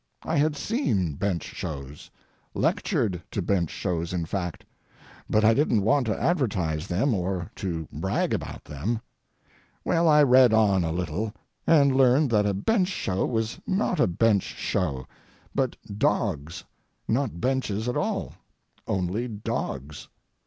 I had seen bench shows—lectured to bench shows, in fact—but I didn't want to advertise them or to brag about them. Well, I read on a little, and learned that a bench show was not a bench show—but dogs, not benches at all—only dogs.